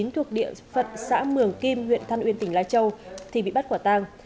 thuộc địa phật xã mường kim huyện thăn uyên tỉnh lai châu thì bị bắt quả tăng